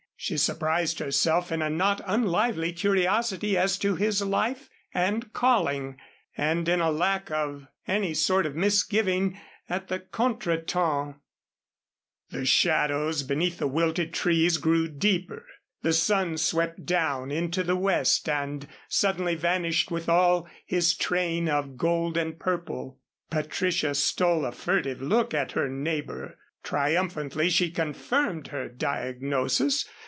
She surprised herself in a not unlively curiosity as to his life and calling, and in a lack of any sort of misgiving at the contretemps. The shadows beneath the wilted trees grew deeper. The sun swept down into the west and suddenly vanished with all his train of gold and purple. Patricia stole a furtive look at her neighbor. Triumphantly she confirmed her diagnosis.